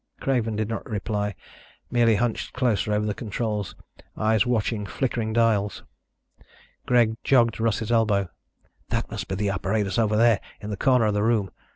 Craven did not reply, merely hunched closer over the controls, eyes watching flickering dials. Greg jogged Russ's elbow. "That must be the apparatus over there, in the corner of the room.